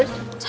apa itu barusan